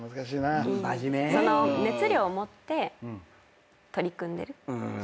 熱量を持って取り組んでる。